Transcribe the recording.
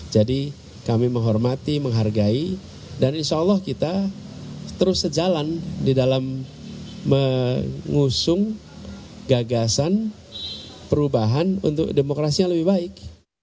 jadi kami menghormati menghargai dan insya allah kita terus sejalan di dalam mengusung gagasan perubahan untuk demokrasi yang lebih baik